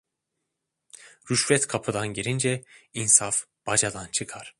Rüşvet kapıdan girince insaf bacadan çıkar.